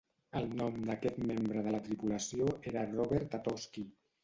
El nom d'aquest membre de la tripulació era Robert Tatosky.